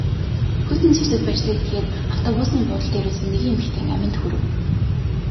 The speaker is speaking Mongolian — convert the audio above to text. Хүйтэн зэвсэг барьсан этгээд автобусны буудал дээр байсан нэгэн эмэгтэйн аминд хүрэв.